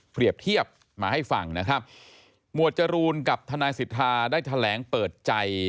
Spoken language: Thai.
เทียบมาให้ฟังนะครับหมวดจรูนกับทนายสิทธาได้แถลงเปิดใจ